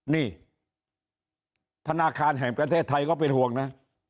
นี่ธนาคารแห่งประเทศไทยก็เป็นห่วงนะ